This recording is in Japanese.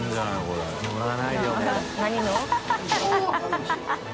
ハハハ